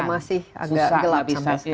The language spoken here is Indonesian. susah lah bisa